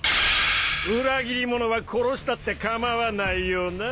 裏切り者は殺したって構わないよな？